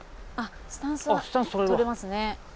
あっスタンスは取れますね。